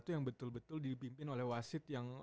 yang betul betul dipimpin oleh wasit yang